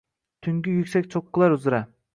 Tungi yuksak cho’qqilar uzra